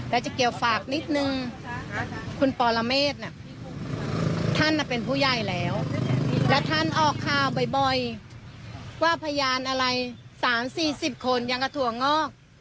และเจ๊เกียวฝากนิดนึงคุณปรเมศน่ะท่านเป็นผู้ใยแล้วและท่านออกข้าวบ่อยว่าพยานอะไรสามสี่สิบคนอย่างกระถั่วงอก